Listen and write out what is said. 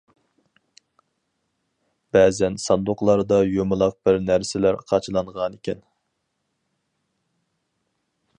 بەزەن ساندۇقلاردا يۇمىلاق بىر نەرسىلەر قاچىلانغانىكەن.